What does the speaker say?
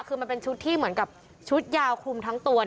คือมันเป็นชุดที่เหมือนกับชุดยาวคลุมทั้งตัว